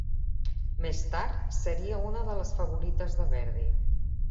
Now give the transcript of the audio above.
Més tard seria una de les favorites de Verdi.